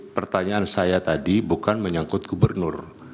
pertanyaan saya tadi bukan menyangkut gubernur